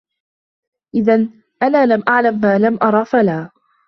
إذَا أَنَا لَمْ أَعْلَمْ مَا لَمْ أَرَ فَلَا